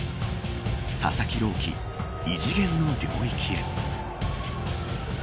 佐々木朗希、異次元の領域へ。